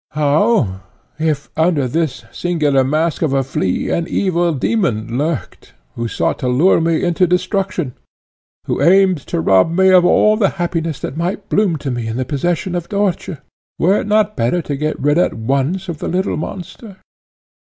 How, if under this singular mask of a flea, an evil demon lurked, who sought to lure me into destruction, who aimed to rob me of all the happiness that might bloom to me in the possession of Dörtje? Were it not better to get rid at once of the little monster?"